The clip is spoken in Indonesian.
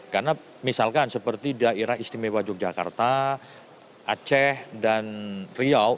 karena misalkan seperti daerah istimewa yogyakarta aceh dan riau